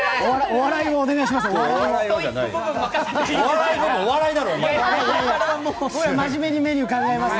お笑いをお願いします。